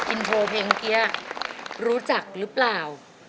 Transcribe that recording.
อินโทรเพลงเมื่อกี้รู้จักหรือเปล่า